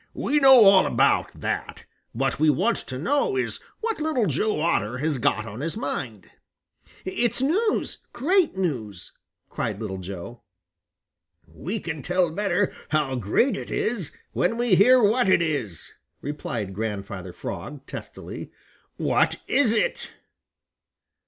"We know all about that. What we want to know is what Little Joe Otter has got on his mind." "It's news great news!" cried Little Joe. "We can tell better how great it is when we hear what it is," replied Grandfather Frog testily. "What is it?"